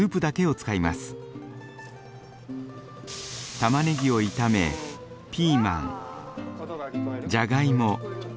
たまねぎを炒めピーマンジャガイモ